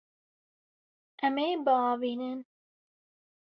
Em ê biavînin.